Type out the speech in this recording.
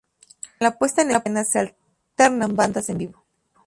En la puesta en escena se alternan bandas en vivo.